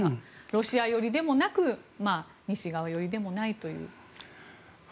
ロシア寄りでもなく西側寄りでもないという。